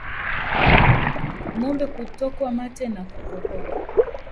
Ngombe kutokwa mate na kukohoa